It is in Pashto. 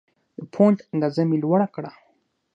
د فونټ اندازه مې لوړه کړه.